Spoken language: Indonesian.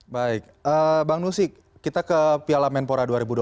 baik bang nusik kita ke piala menpora dua ribu dua puluh